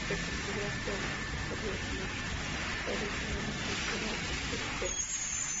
Se considera que la danza podría tener origen en la cultura tolteca.